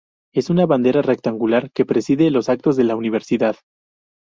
Es una bandera rectangular que preside los actos de la Universidad.